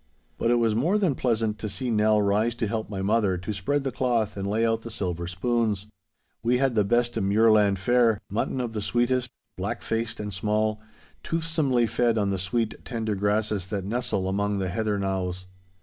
But it was more than pleasant to see Nell rise to help my mother to spread the cloth and lay out the silver spoons. We had the best of muirland fare—mutton of the sweetest, black faced and small, toothsomely fed on the sweet, tender grasses that nestle among the heather knowes.